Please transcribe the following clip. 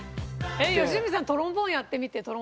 良純さんトロンボーンやってみてトロンボーン。